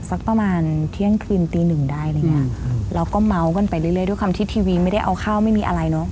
สักประมาณเที่ยงคืนตีหนึ่งได้เราก็เม้ากันไปเรื่อยด้วยความที่ทีวีไม่ได้เอาเข้าไม่มีอะไรเนาะ